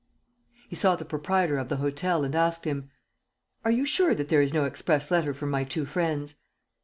He saw the proprietor of the hotel and asked him: "Are you sure that there is no express letter for my two friends?"